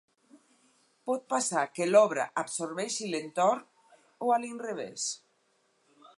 Pot passar que l'obra absorbeixi l'entorn, o a l'inrevés.